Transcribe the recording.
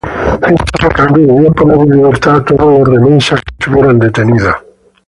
Estos a cambio debían poner en libertad a todos los remensas que tuvieran detenidos.